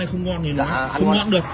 không ngon được